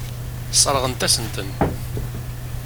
Sseṛɣent-asent-ten.